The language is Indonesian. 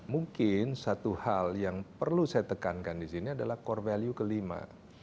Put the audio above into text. mungkin satu hal yang perlu saya tekankan di sini adalah core value kelima